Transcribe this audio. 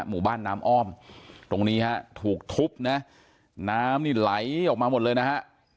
หมู่บ้านน้ำอ้อมตรงนี้ฮะถูกทุบนะน้ำนี่ไหลออกมาหมดเลยนะฮะ